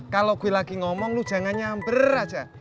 kalau gue lagi ngomong lu jangan nyamber aja